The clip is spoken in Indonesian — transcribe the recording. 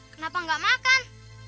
kenapa gak makan